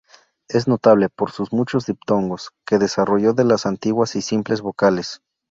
Es notable por sus muchos diptongos que desarrolló de las antiguas y simples vocales.